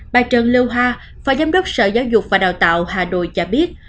bà trần lưu hà phó giám đốc sở giáo dục và đào tạo hà nội cho biết